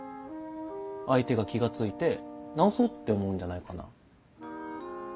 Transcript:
相手が気が付いて直そうって思うんじゃないかな？